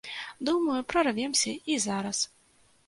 Думаю, прарвемся і зараз.